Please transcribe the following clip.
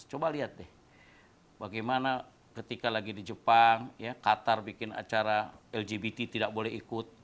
coba lihat deh bagaimana ketika lagi di jepang ya qatar bikin acara lgbt tidak boleh ikut